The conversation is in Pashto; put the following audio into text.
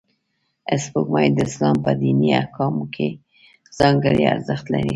سپوږمۍ د اسلام په دیني احکامو کې ځانګړی ارزښت لري